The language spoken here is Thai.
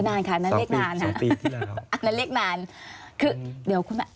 นานค่ะนั้นเรียกนานค่ะอ๋อนั้นเรียกนานคือเดี๋ยวคุณแม่